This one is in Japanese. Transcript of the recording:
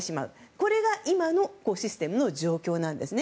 これが今のシステムの状況なんですね。